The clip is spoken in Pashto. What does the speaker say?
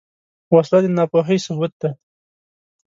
وسله د ناپوهۍ ثبوت ده